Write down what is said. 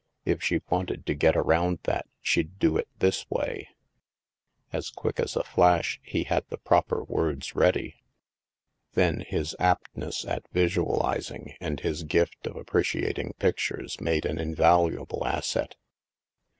If she wanted to get around that, she'd do it this way." And quick as a flash, he had the proper words ready. Then, his aptness at visualizing and his gift of appreciating pictures made an invaluable asset.